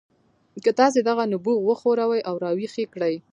که تاسې دغه نبوغ وښوروئ او راویښ یې کړئ